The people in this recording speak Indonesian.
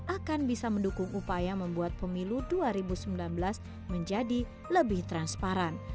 akan bisa mendukung upaya membuat pemilu dua ribu sembilan belas menjadi lebih transparan